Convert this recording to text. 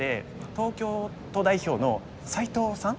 東京都代表の西藤さん。